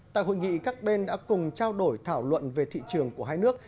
tại hội nghị các bên đã cùng trao đổi thảo luận về thị trường của hai nước